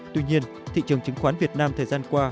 tuy nhiên thị trường chứng khoán việt nam thời gian qua